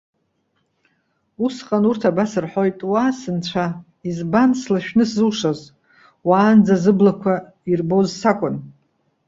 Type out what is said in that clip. Усҟан урҭ абас рҳәоит:- Уа, сынцәа! Избан слашәны сзушаз? Уаанӡа зыблақәа ирбоз сакәын.